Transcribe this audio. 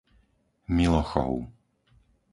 Milochov